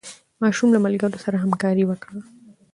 ماشوم له ملګرو سره همکاري وکړه